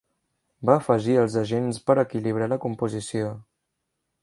Va afegir els agents per equilibrar la composició.